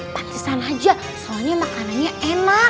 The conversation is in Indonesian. pakistan aja soalnya makanannya enak